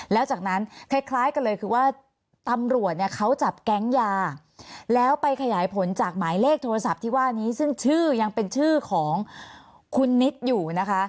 แล้วจากนั้นคล้ายกันเลยคือว่าตำรวจเนี่ยเขาจับแก๊งยาแล้วไปขยายผลจากหมายเลขโทรศัพท์ที่ว่านี้ซึ่งชื่อยังเป็นชื่อของคุณนิดอยู่นะคะ